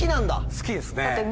好きですね。